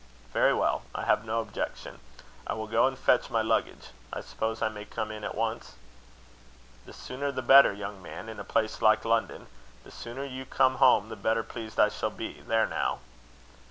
"Very well. I have no objection. I will go and fetch my luggage. I suppose I may come in at once?" "The sooner the better, young man, in a place like London. The sooner you come home the better pleased I shall be. There now!"